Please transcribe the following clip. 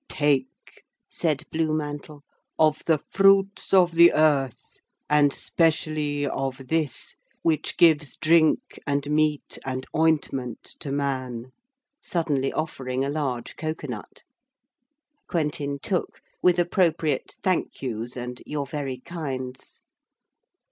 'Take,' said Blue Mantle, 'of the fruits of the earth, and specially of this, which gives drink and meat and ointment to man,' suddenly offering a large cocoa nut. Quentin took, with appropriate 'Thank you's' and 'You're very kind's.'